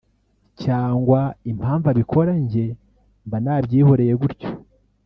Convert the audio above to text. cyangwa impamvu abikora njye mba nabyihoreye gutyo